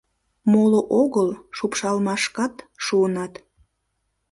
Моло огыл, шупшалмашкат шуыныт.